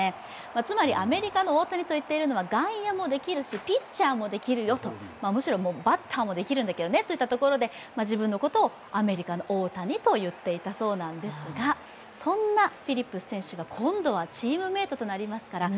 つまり、アメリカの大谷といっているのは外野もできるしピッチャーもできるよと、むしろバッターもできるんだけどねといったところで自分のことをアメリカの大谷と言っていたそうなんですが、ブロマンスいいんじゃないですか。